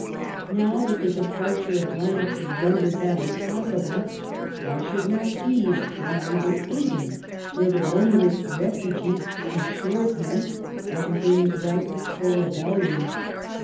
Now that the departure of Lennox had rendered that im possible, why should not Guise land in England, where, the Romanist refugees assured him, every thing was ripe for a rebellion?